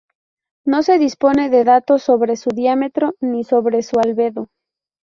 No se dispone de datos sobre su diámetro ni sobre su albedo.